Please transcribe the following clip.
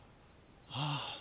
ああ。